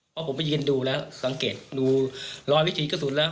พอผมไปยืนดูแล้วสังเกตดูรอยวิถีกระสุนแล้ว